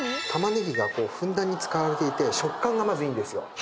タマネギがふんだんに使われていて食感がまずいいんですよ。